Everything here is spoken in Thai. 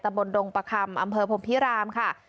บนดงประคำอำเภอพรมพิรามค่ะ